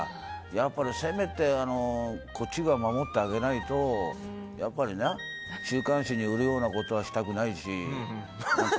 せめてこっちが守ってあげないと週刊誌に売るようなことはしたくないし。